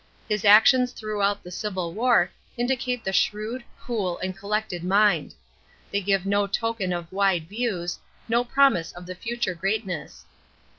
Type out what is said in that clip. His actions throughout the Civil War indicate the shrewd, cool, and collected mind; they give no token of wide views, no promise of the future greatness.